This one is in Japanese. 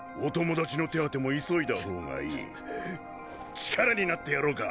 力になってやろうか？